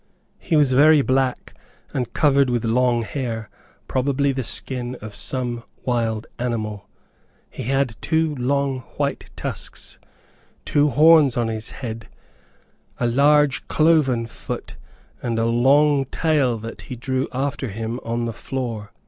He was very black, and covered with long hair, probably the skin of some wild animal. He had two long white tusks, two horns on his head, a large cloven foot, and a long tail that he drew after him on the floor.